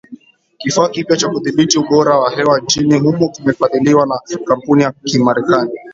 Kifaa kipya cha kudhibiti ubora wa hewa nchini humo kimefadhiliwa na kampuni ya kimarekani